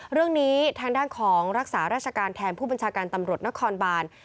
เรื่องนี้ทางด้านของรักษาราชการแทนผู้บัญชาการตำรวจนครบาน